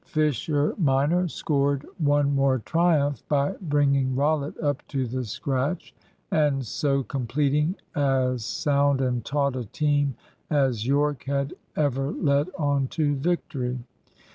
Fisher minor scored one more triumph by bringing Rollitt up to the scratch, and so completing as sound and taut a team as Yorke had ever led on to victory.